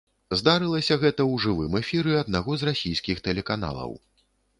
Здарылася гэта ў жывым эфіры аднаго з расійскіх тэлеканалаў.